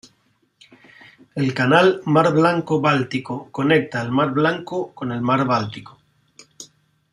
El canal Mar Blanco-Báltico conecta el mar Blanco con el mar Báltico.